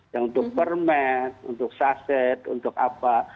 yang untuk permit untuk sachet untuk apa